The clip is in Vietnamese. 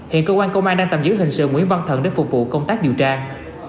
hiện cơ quan công an đang tầm giữ hình sự nguyên văn thần để phục vụ công tác dự trang